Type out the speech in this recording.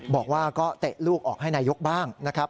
บอกว่าก็เตะลูกออกให้นายกบ้างนะครับ